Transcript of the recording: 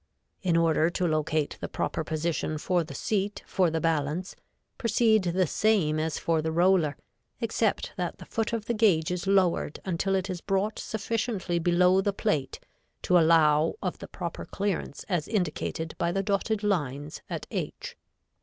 In order to locate the proper position for the seat for the balance, proceed the same as for the roller, except that the foot of the gauge is lowered until it is brought sufficiently below the plate to allow of the proper clearance as indicated by the dotted lines at H.